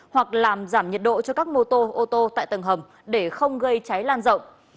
hoặc làm giảm nhiệt độ cho các mô tô ô tô tại tầng hầm để không gây cháy lan rộng